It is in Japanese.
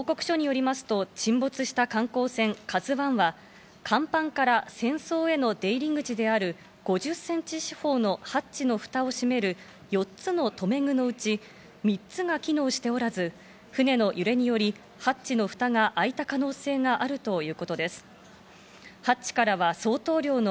報告書によりますと沈没した観光船「ＫＡＺＵ１」は甲板から船倉への出入り口である５０センチ四方のハッチの蓋を閉める４つの留め具のうち、３つが機能しておらず、船の揺れによりハッチの蓋が開いた可能性があるということです。